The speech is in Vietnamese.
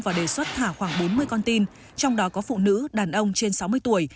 và đề xuất thả khoảng bốn mươi con tin trong đó có phụ nữ đàn ông trên sáu mươi tuổi